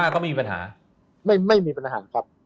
ก็ไม่มีปัญหาไม่มีปัญหาครับ